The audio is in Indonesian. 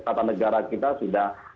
kata negara kita sudah